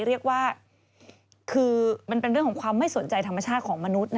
เรียกว่าคือมันเป็นเรื่องของความไม่สนใจธรรมชาติของมนุษย์